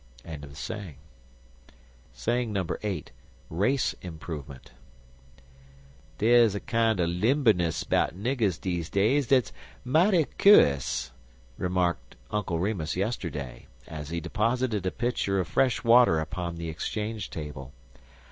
VIII. RACE IMPROVEMENT "Dere's a kind er limberness 'bout niggers dese days dat's mighty cu'us," remarked Uncle Remus yesterday, as he deposited a pitcher of fresh water upon the exchange table.